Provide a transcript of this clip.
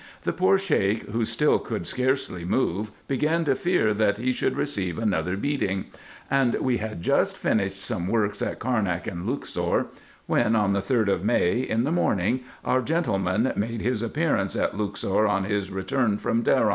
The poor Sheik, who still could scarcely move, began to fear that he should receive another beating; and we had just finished some works at Carnak and Luxor, when, on the 3d of May, in the morning, our gentleman made his appearance at Luxor on his return from Derou.